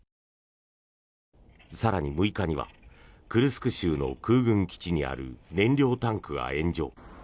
更に６日にはクルスク州の空軍基地にある燃料タンクが炎上。